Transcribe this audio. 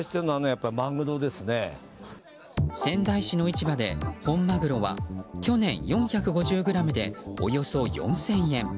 仙台市の市場で本マグロは去年４５０ｇでおよそ４０００円。